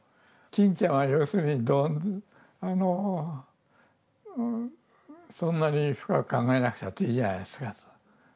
金ちゃんは要するに「そんなに深く考えなくたっていいんじゃないですか。